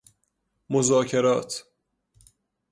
مذاکرات